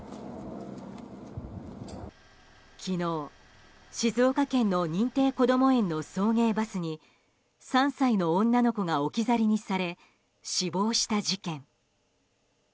昨日、静岡県の認定こども園の送迎バスに３歳の女の子が置き去りにされ死亡した事件。